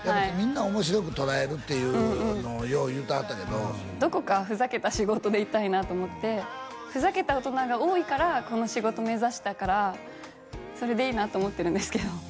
みんなおもしろく捉えるっていうのをよう言うてはったけどどこかフザけた仕事でいたいなと思ってフザけた大人が多いからこの仕事目指したからそれでいいなと思ってるんですけど